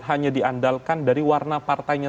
hanya diandalkan dari warna partainya